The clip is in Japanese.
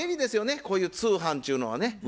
こういう通販ちゅうのはね。